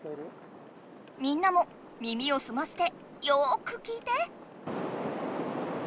みんなも耳をすましてよく聞いて！